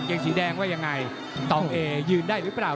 งสีแดงว่ายังไงต่องเอยืนได้หรือเปล่า